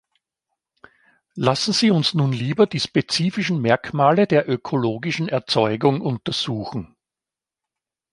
Lassen Sie uns nun lieber die spezifischen Merkmale der ökologischen Erzeugung untersuchen.